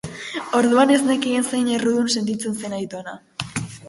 Orduan ez nekien zein errudun sentitzen zen aitona.